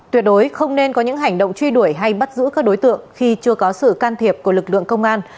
tuyệt đối không nên có những hành động truy đuổi hay bắt giữ các đối tượng khi chưa có sự can thiệp của lực lượng công an